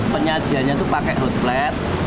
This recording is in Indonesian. penyajiannya tuh pake hot plate